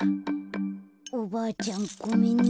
おばあちゃんごめんね。